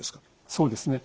そうですね。